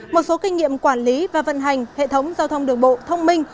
một số kinh nghiệm quản lý và vận hành hệ thống giao thông đường bộ thông minh